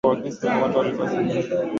wakati wako ukifika utahudumiwa vizuri sana